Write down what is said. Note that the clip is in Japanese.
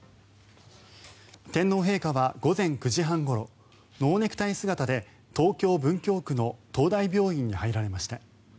天皇陛下は午前９時半ごろノーネクタイ姿で東京・文京区の東大病院に入られました。